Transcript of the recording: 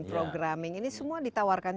programming ini semua ditawarkan